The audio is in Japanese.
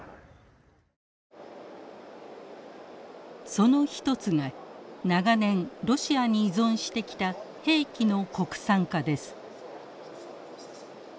その一つが長年ロシアに依存してきた兵器の国産化です。